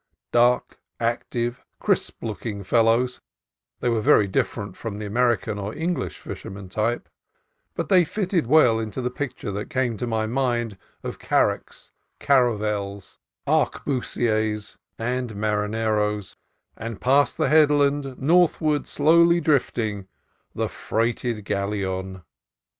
Dark, active, crisp looking fellows, they were very different from the American or English fisherman type ; but they fitted well into the picture that came to my mind, of caracks, caravels, arquebusiers, and marineros, — "And past the headland, northward slowly drifting, The freighted galleon."